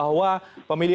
apakah pks juga sebetulnya